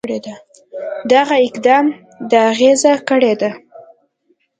دغه اقدام د اغېزه کړې ده.